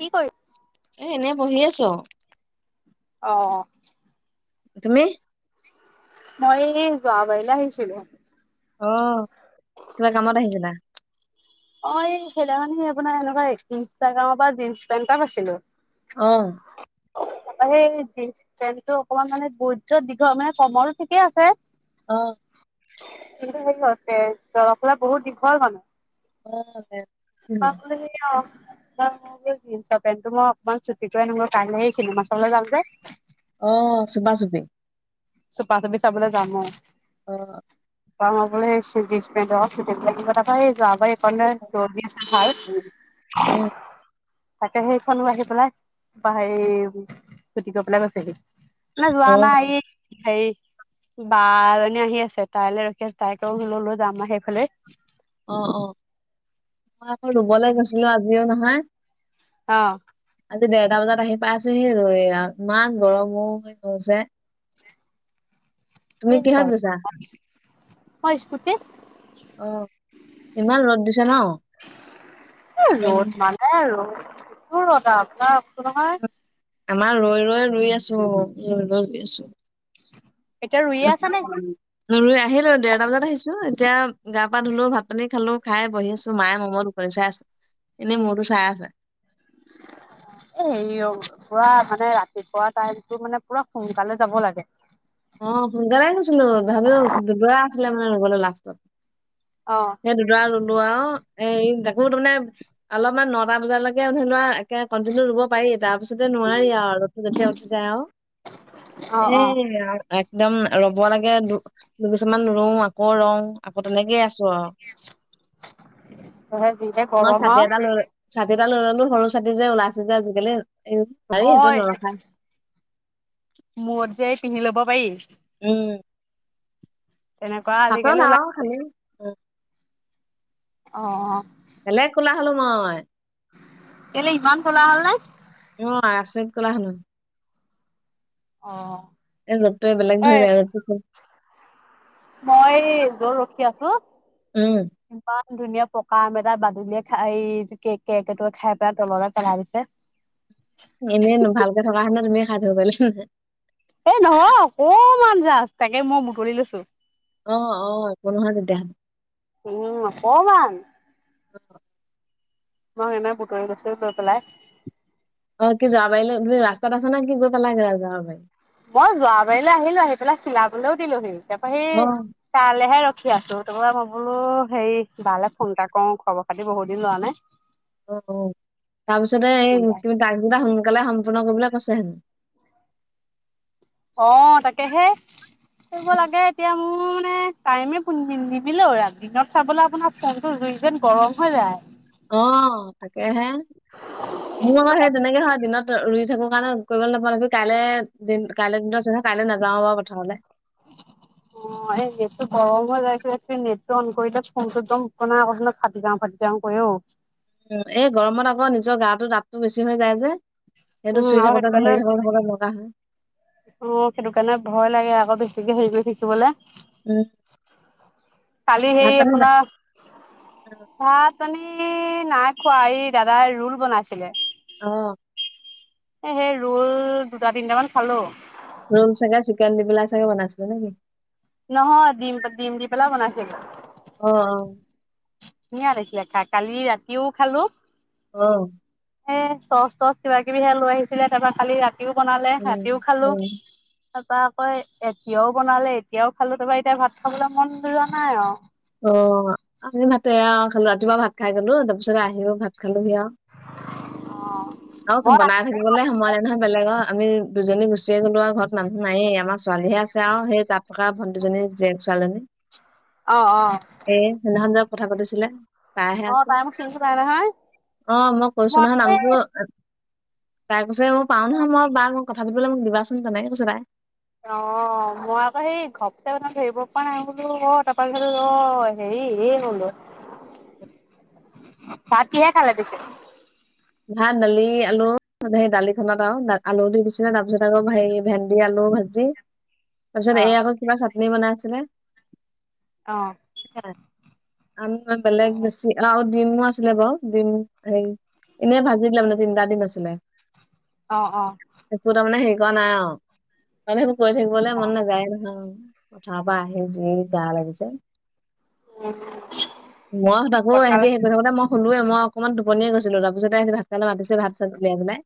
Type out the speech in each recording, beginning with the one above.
কি কৰি এ এনে বহি আছো। অ অ' তুমি? মই যোৱা বাৰিলে আহিছিলো। আহ কিবা কামত আহিছিলা? অ এই খেইদখানি আপোনাৰ এনেকুৱা ইনষ্টাগ্ৰামৰ পৰা জীনচ পেন্ট এটা পাইছিলো। আহ তাপা সেই পেন্টটো অকমান মানে বৈধ দীঘ, মানে কমৰটো ঠিকেই আছে আহ' সন্তটো হেৰিছে জললা বহুত দীঘল মানুহ অ [inaudible] জৰ পেন্টটো মই অকমান ছুটিটোৱে নল কাইলৈ সেই চিনেমা চাবলৈ যাম যে অ', চুপা চুপি চ পাছপি চাবলৈ যামো অ জন্ পেণ্ট কিবা এটা আহছে যাবা এইকানে জলি আছে হয় উম তাকে সেইখনো আহি পেলাই হেৰি ছুটি কৰি পেলাই গৈছেহি মানে যোৱা অ নাই এই হেই বা জনী আহি আছে তাইলৈ ৰখি তাইক লল লৈ যাম আৰু সেইফালে অ অ মই ৰুবলৈ গৈছিলো আজিও নহয়। অ আজি দেৰটা বজাত আহি পাই আছোহিহে ৰৈ আৰু ইমান গৰমো হৈ গৈছে তুমি কিহত গৈছা অ ইছকুটিত অ ইমান ৰদ দিছে ন একদম ৰ'দ মানে আৰু তোৰ ৰদাওক আপোনাক কৈছোঁ নহয়। আমাৰ ৰৈ ৰৈ ৰুই আছো ৰৈ ৰৈ ৰৈ আছো [inaudible] আছা নে ৰুই আহিলো দেৰটা বজাত আহিছো এতিয়া গা পা ধুলো ভাত পানী খালো খাই বহি আছো মায়ে মমৰ ওকনি চাই আছো। এনেই মোৰটো চায় আছে এ হেৰি পুৰা মানে ৰাতিপুৱা টাইমতটো মানে পুৰা সোনকালে যাব লাগে অ সোনকাই গৈছিলো ভাবিও দুদুবা আছিলে মানে ৰুবলে লাষ্টত অ সেই দুডৰা লো আৰু এ [unintelligible] বুত মানে অলপমান নটা বজালৈকে ধৰি লোৱা কণ্টিনিউ ৰুব পাৰি তাৰপিছতে নোৱাৰি আৰু ৰ'দটো যেতিয়া উঠি যায় আৰু অ অ এ একদম ৰব লাগে দু দুগোচামান ৰওঁ আকৌ ৰওঁ আকৌ তেনেকেই আছো- অ সেয়েহে যিহে তোমাৰ গৰম চাটি আৰু এটা লৈ লৈ ছাতি এটা লৈ ললো সৰু ছাতি যে ওলাইছে যে আজিকালি হাৰি অ সেইটো নৰখাই মূৰত যে পিন্ধি লব পাৰি উম তেনেকুৱা তাতৰ আজিকালি নাও ওলাইছে খালি অ বেলেগ কোলা হলো মই কেলে ইমান কোলা হল নে অ আছৰিত কলা হলো অ এ ৰ'দটোৱে বেলেগ ঐ ধৰিলে ৰ'দটো মই গলো আছো উম। ইমান ধুনীয়া পকা আম এটা বাদুলিয়ে খাই এই কেৰ কেৰ্কেটুৱা খাই পেলাই তললে পেলাই দিছে এনেইনো ভালকে থকা কাৰণে তুমি খাই থব পাৰিলা নে এ নহয় অকমান জাজ তাকে মই বুতলি লৈছো অ অ একো নহয় তেতিয়াহ'লে উ অকমান মই সে নাই বুতৰি গৈছো গৈ পেলাই অ কি যোৱা বাৰিলে তুমি ৰাস্তাত আছা নে কি গৈ পালা গে ৰাইজৰ বাৰি মই যোৱাবাৰিললৈ আহিলো আহি পেলাই চিলাবলৈও দিলোহি তাপা সৈই অ তালেহে ৰখি আছো তাপা মই বোলো হেৰি বালে ফোন এটা কৰওঁ খবৰ খাতি বহুত দিন লোৱা নাই অ তাৰ পিছতে ডাগ শুনো সোনকালে সম্পূৰ্ণ কৰিবলৈ কৈছে হেনো অ তাকেহে কৰিব লাগে এতিয়া মোৰ মানে [inaudible] টাইমে নিমিলে ৰাতি দিনত চাবলে আপোনাৰ ফোনটো জুই যেন গৰম হৈ যায় অ তাকেহে মোৰ আকৌ সেই তেনেকে হয় দিনত ৰুই থাকিব কাৰণে কৰিবলৈ নাপালি কাইলৈ দিন কাইলৈ দিন কাইলৈ নাযাওঁ বাৰু পথাৰলে [inaudible] অ এই নেট টো গৰম হৈ যাইছিল এক নেটটো অন কৰিলে ফোনটো অকনা কৈছো নহয় ফাটি যাওঁ ফাটি যাওঁ কৰে অ উ এই গৰমত আকৌ নিজৰ গাটো তাপটো বেছি হৈ যায় যে সেইটো উম চুই আৰু থাকোতে সেইটো ধৰি কাৰণে অ থাকোতে থাকোতে লগা হয় সেইটো কাৰণে ভয় লাগে আক বেছিকে হেৰি কৰি থাকিবলে উম কালি ভাত সেই পানী আপোনাৰ ভাত পানী নী নাই খোৱা এই দাদাই ৰোল বনাইছিলে অ সেই ৰল দুটা তিনিটামান খালো ৰোল চাগে চিকেন দি পেলায় চাগে বনাইছিলে নে কি নহয় দিম দিম দি পেলাই বনাইছিলে অ অ ধুনিয়া লাগিছিলে খাই কালি ৰাতিও খালো অহ এ চচ তচ কিবা কিবিহে লৈ আহিছিলে তাৰপৰা খালি ৰাতিও বনালে উম, ৰাতিও খালো উম, তা পা আকৌ এতিয়াও বনালে এতিয়াও খালো তা পা এতিয়া ভাত খাবলৈ মন যোৱা নাই আও অ আমি ভাতে আও খালো ৰাতিপুৱা ভাত খাই গলো তাৰপিছতে আহিও ভাত খালোহি আও অ' আও মই বনাই ৰাতিপুৱা থাকিবলে ভাত সময় নাই নহয় বেলেগৰ আমি দুজনী গুচিয়ে গ'লো আও ঘৰত মানুহ নায়েই আমাৰ ছোৱালীহে আছে আও সেই তাত থকা ভণ্ট দুজনী জীয়েক ছোৱালীজনী অ অ এ সেইদিনাখন যে কথা পাতিছিলে তাই হে অ' আছে তাই মোক চিনি পাই নহয়। অ মই কৈছো নহয় নামটো তাই কৈছে মই পাওঁ নহয় মই বা ম‌ই কথা পাতিবলৈ মোক দিবাচোন তেনেকে কৈছে তাই অ অ মই আকৌ সেই ঘপকে মানে ধৰিব পৰা নাই বোলো অ তা পা অ হেৰি এই বোলো [inaudible] ভাত কিহে খালে পিছে ভাত দালি আলু হে দালিখনত আৰু আলু দি দিছিলে তা পিছত আৰু হেৰি ভেন্দি আলু লু ভাজি তা পিছত অ' এই আকৌ কিবা চাটনি বনাই আছিলে অ আনোতে বেলেগ বেছি আৰু ডিমো আছিলে বাৰু ডিম হেই এনেই ভাজি দিলে মানে তিনটা দিম আছিলে অ' অ' একো তা মানে হেই পোৱা নাই আও মানে সেইবোৰ কৈ থাকিবলৈ মন নাযায় নহয় আও পথাৰৰ পৰা আহি যি বেয়া লাগিছে উম, মই তাকো পথাৰ হেতি কৰি থাকোতে মই শুলোৱে মই অকণমান টোপনিয়ে গৈছিলো তাপিছতে ভাত খাবলে মাতিছে ভাত চাত উলিয়াই কিনে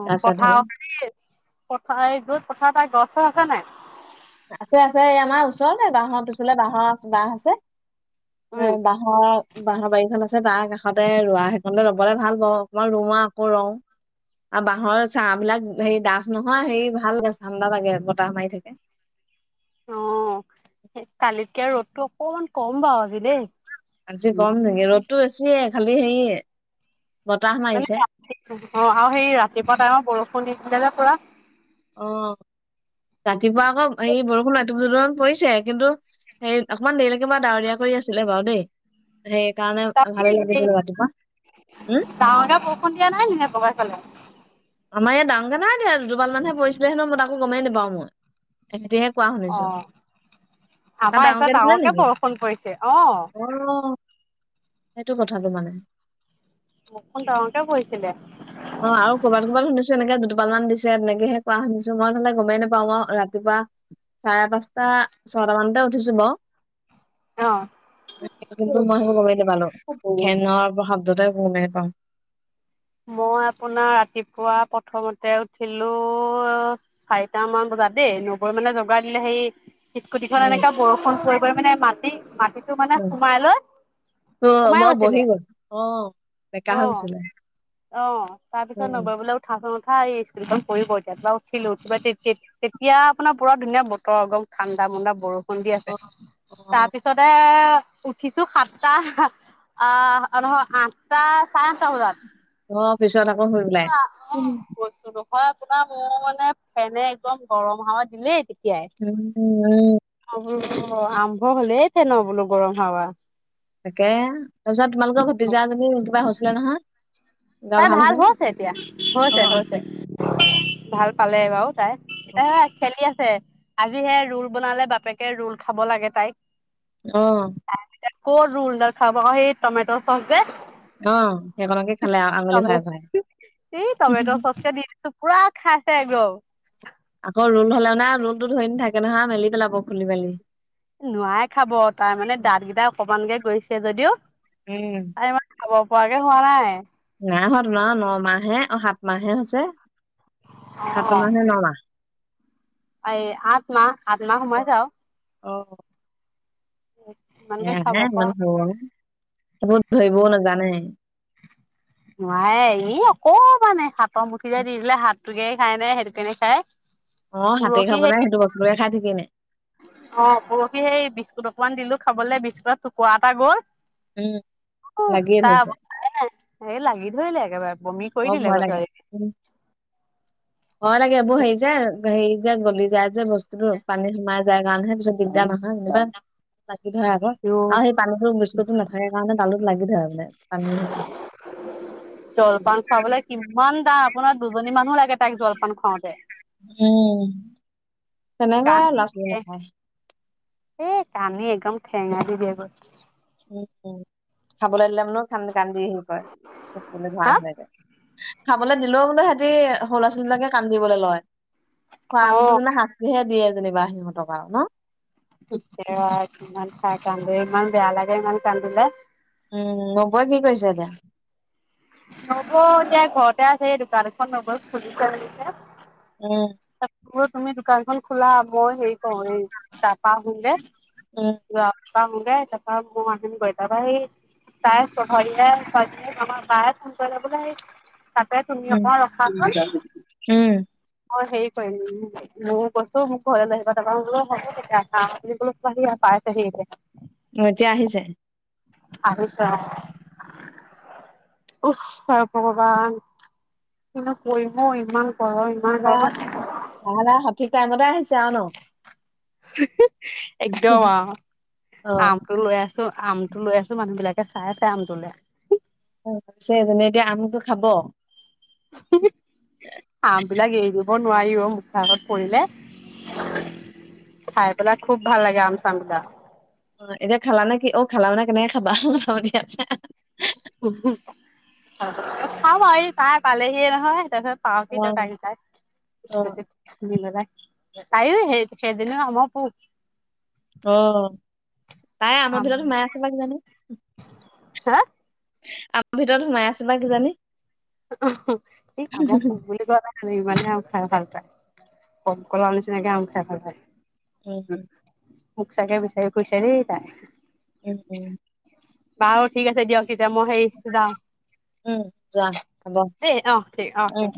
অ পথাৰ পথাৰ এই যত পথাৰ তাৰ গছ চছ আছে নাই আছে আছে এই আমাৰ ওচৰতে বাঁহৰ পিছফালে বাঁহৰ বাঁহ আছে এ উম। বাঁহৰ বাঁহ বাৰিখন আছে ছে তাৰ কাষতে ৰোৱা সেইখনলে লবলে ভাল পাও অকমান ৰুও আও আকৌ ৰও। আৰু বাঁহৰ চাহ বিলাক হেৰি ডাঠ নহয় হেৰি ভাল লাগে ঠাণ্ডা লাগে বতাহ মাৰি থাকে। [inaudible] অ সে কালিতকে ৰ'দটো অকমান কম বাও আজি দেই। আজি কম নেকি ৰ'দতটো বেছিয়ে খালি হেয়ে মানে অ আৰু সেই ৰাতিপুৱা টাইমত বৰষুণ দিছিলে যে পুৰা অ ৰাতিপুৱা আকৌ এইে বৰষুণ এটোপ দুটোপ মান পৰিছে কিন্তু হে অকমান দেৰিলৈকে বাৰ ডাৱৰীয়া কৰি আছিলে বাৰু দেই সেইকাৰণে ভালে লাগিছিল ৰাতিপুৱা উম, ডাঙকে বৰষুণ দিয়া নাই নে বগাই ফালে আমাৰ ইয়াত ডাঙৰ কে নাই দিয়া দুটুপাল মানেহে পৰিছিলে মই তাকো গমেেই নাপাওঁ মই সিহঁতিয়ে কোৱা অ শুনিছোঁ তাত আমাৰ এইফালে ডাঙৰকে দিছিলা নেকি বৰষুণ পৰিছে অ অ সেইটো কথাটো মানে বৰষুণ ডাঙৰকে পৰিছিলে অ আৰু কবাত ক'বাত শুনিছো এনেকে দু কপালমান দিছে তেনেকেহে কোৱা শুনিছোঁ মই তহলে গমেই নাপাওঁ আৰু ৰাতিপুৱা চাৰে পাঁচটা ছয়টা মানতে উঠিছোঁ বাৰু অ ম কমাই পালোঁ ফেনৰ শব্দটাই ব পাওঁ। মই আপোনাৰ ৰাতিপুৱা প্ৰথমতে উঠিলো চাৰিটা মান বজাত য দেই নবৈ মানে যোগাৰ দিলে সেই স্কুটিখন উম এনেকাে বৰষুণ পৰি পৰি মানে মাটি মাটিতটো মানে সোমাই লৈ উ সোমাই মই গৈছিলে বহি গলোঁ অ বেকা হৈ অ গৈছিলে। অ তাৰ পিছত উম নবৈ বোলে উঠা ক এই স্কুটিখন পৰিব এতিয়া উঠিলোঁ তেতিয়া আপোনাৰ পুৰা ধুনীয়া বতৰ ঠন্দা মন্দা বৰষুণ দি অ আছে অ তাৰপিছতে উঠিছোঁ সাতটা আহ নহয় আঠটা চাৰে আঠটা বজাত অ পিছত অ কোহ অ কৈছোঁ ৰ আপোনাৰ মোৰ মানে ফেনে একদম গৰম হাৱা দিলেই। উম উ উ আৰম্ভ হলেই ফেন বোলো গৰম হাৱা তাকে তাৰপিছত তোমালোকৰ ভতিজা জনী কিবা হৈছিলে নহয় তাই ভাল হৈছে এতিয়া অ হৈছে হৈছে ভাল পালে বাৰু চাই হে খেলি আছে আজিহে ৰোল বনালে বাপেকে ৰোল খাব লাগে তাইক আহ এতিয়া ক'ত ৰোল দেখাব সেই টমেটৰ চচ অ সেইখনকে খালে আঙুলি ভৰাই উ ভৰাই টমেটো চচকে দিছোঁ পুৰা খাইছে একদম আকৌ ৰুন হ'লেও নে ৰুলটো ধৰি ন থাকে নহয় মেলি পেলাব খুলি মেলি নোৱাই খাব তাৰ মানে দাঁত কেইটাই অকমানকে গইছে যদিও উম পোৱাকে হোৱা নাই নাহত ন ন মাহ হে অ সাত মাহে হৈছে সাত অ মাহে নমাহ এই আঠ মাহ আঠ মাহ সোমাইছে আও অ উ [inaudible] সেয়া হে ইমান ৰ'দ সেইবোৰ ধৰিবও নাজানে নোৱাৰে এই অকমানে হাতৰ মুঠিৰোই দি দিলে হাত তে খাই নাই সেইটো কেনে খাই অ হাতেই পৰহি খাব সেই নাই সেইটো বস্তুকে খাই থাকি নাই অ পৰহি সেই বিস্কুট অকমান দিলোঁ খাবলৈ বিস্কুটৰ টুকুৰা এটা গ'ল উম লাগি এ তাৰ ধৰিলে অৱস্থাই নাই এই লাগি ধৰিলে একেবাৰে বমি কৰি দিলে ভয় গথা হয় লাগে এইবোৰ হেৰি যে হেৰি যে গলি যায় যে বস্তুতো পানী সোমাই যায় কাৰণেহে [unintelligible] লাগ ধৰে আকৌ আৰু সেই পানীতো বিস্কুটটো নাথাকে কাৰণে তালোত লাগি ধৰে মানে পানী সেই জলপান খাবলৈ কিমান দাম আপোনাৰ দুজনী মানুহ লাগে তাইক জলপান খুৱাওতে উম তেনেকৈ আৰু কান্দি ল'ৰা ছোৱালী দিয়ে নাখায় এ কান্দি একদম ঠেঙা দি দিয়েগৈ। উম উম খাব লাগিল কান্দি কান্দি হ হা ঘৰাে খাবলৈ দিলেও বোলে সৰু ল'ৰা ছোৱালীবিলাকে কান্দি বলে লয় খোৱা অ বস্তু যেনে শাস্তিহে দিয়ে যেনিবা সিহঁতক আও ন [unintelligible] ইমান বেয়া লাগে ইমান কান্দিলে উম নবৌৱে কি কৰিছে এতিয়া নবৌ এতিয়া ঘৰতে আছে এই দোকান এখন লগ খুলিছে মেলিছে উম, ত তুমি দোকানখন খোলা বৌৱে হেৰি কৰ এই তাপা আহো গৈ উম, যোৱা পা আহোংগে তাপা মই আহিমগৈ তাপা সেই [unintelligible] তাতে তুমি উম, অকমান ৰখাচোন উম, মই হেৰি কৰিম ময়ো কৈছো মোক ঘৰলৈ লৈ আহিবা তাপা মই বোলো এ হ'ব তেতিয়া [unintelligible] পাই চে সি এতিয়া এতিয়া আহিছে আহিছে অ ওহ ভগৱান কিনো কৰিম ইমান গৰম ইমান গৰমত ঠিক টাইমতে আহিছে আৰু ন হি হে একদম আৰু অ' আমটো লৈ আছো আমটো লৈ আছো মানুহ বিলাক চাই আছে আম তোলে অ ছে এজনীয়ে এতিয়া আমটো খাব আম বিলাক এইৰি ব নোৱাৰি অ মুখ আগত পৰিলে। খাই পেলাই খুব ভাল লাগে আম চাম বিলাক। অ এতিয়া খালা নেকি অ খালা মানে কেনেকে খাবা নিয় আ। খাব হৰি তাই পালেহিয়ে নহয় তত। অ' অ' [unintelligible] তাই হেই [unintelligible] অহ তাই আমাৰ আম ভিতৰত সোমাই আছে বা কিজানি। হা আমাৰ ভিতৰত সোমাই আছে বা কিজানি উমহু আম পোক বুলি কয় ইমানে আম খাই ভাল পায় পগলা নিচিনা আম খাই ভাল পাই। উম হম সচাকে বিচাৰি ফুৰিছে দেই তাই উহ বাৰ ঠিক আছে দিয়ক তেতিয়া মই সেই যাওঁ এ অহ অহ